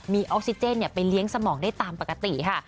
มีออกซิเจนไปเลี้ยงสมองได้ตามปกติค่ะ